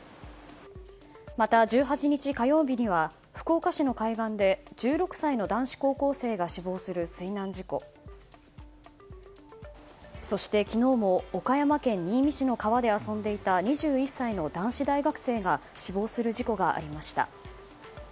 また、１８日火曜日には福岡市の海岸で１６歳の男子高校生が死亡する水難事故そして、昨日も岡山県新見市の川で遊んでいた２１歳の男子大学生が死亡する事故がありました。